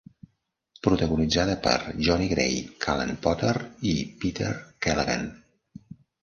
Protagonitzada per Jonny Gray, Callan Potter i Peter Keleghan.